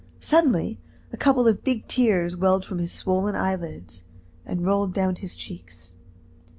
Suddenly a couple of big tears welled from his swollen eyelids, and rolled down his cheeks.